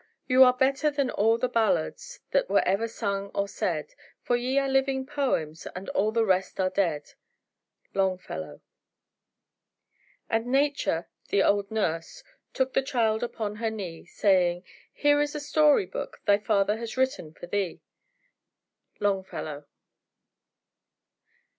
Ye are better than all the ballads That were ever sung or said; For ye are living poems And all the rest are dead." Longfellow. "And Nature, the old nurse, took The child upon her knee, Saying: 'Here is a story book Thy Father has written for thee." Longfellow.